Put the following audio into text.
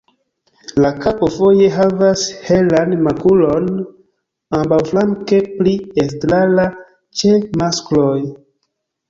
La kapo foje havas helan makulon ambaŭflanke, pli elstara ĉe maskloj.